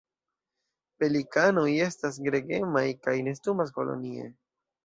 Pelikanoj estas gregemaj kaj nestumas kolonie.